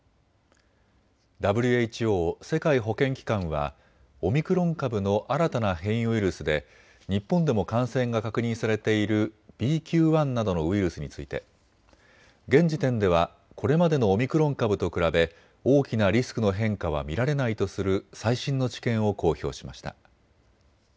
ＷＨＯ・世界保健機関はオミクロン株の新たな変異ウイルスで日本でも感染が確認されているＢＱ．１などのウイルスについて現時点ではこれまでのオミクロン株と比べ大きなリスクの変化は見られないとする最新の知見を公表しました。